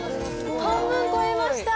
半分超えました。